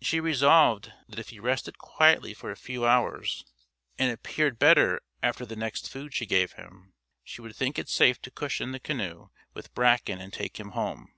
She resolved that if he rested quietly for a few hours and appeared better after the next food she gave him, she would think it safe to cushion the canoe with bracken and take him home.